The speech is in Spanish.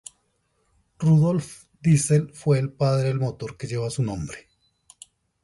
Rudolf Diesel fue el padre del motor que lleva su nombre.